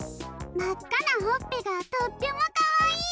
まっかなほっぺがとってもかわいい！